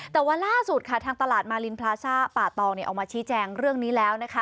แต่ว่าล่าสุดค่ะทางตลาดมารินพลาซ่าป่าตองออกมาชี้แจงเรื่องนี้แล้วนะคะ